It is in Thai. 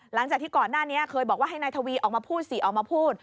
หลังจากที่ก่อนหน้านี้เคยบอกว่าให้นายทวีออกมาพูดสิออกมาพูด